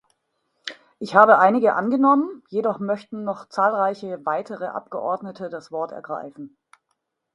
Ich habe einige angenommen, jedoch möchten noch zahlreiche weitere Abgeordnete das Wort ergreifen.